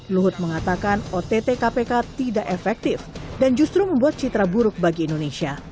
luhut mengatakan ott kpk tidak efektif dan justru membuat citra buruk bagi indonesia